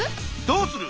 どうする！